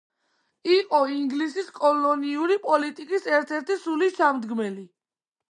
იყო ინგლისის კოლონიური პოლიტიკის ერთ-ერთი სულისჩამდგმელი.